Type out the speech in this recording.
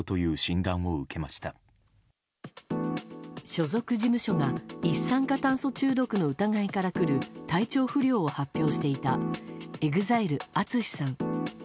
所属事務所が一酸化炭素中毒の疑いからくる体調不良を発表していたＥＸＩＬＥ、ＡＴＳＵＳＨＩさん。